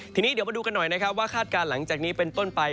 ทีนี้เดี๋ยวมาดูกันหน่อยนะครับว่าคาดการณ์หลังจากนี้เป็นต้นไป